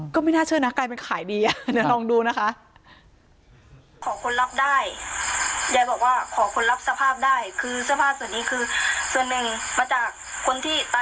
ก็ไม่น่าเชื่อนะกลายเป็นขายดีเดี๋ยวลองดูนะคะ